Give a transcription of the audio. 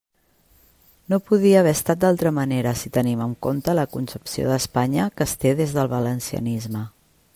No podia haver estat d'altra manera si tenim en compte la concepció d'Espanya que es té des del valencianisme.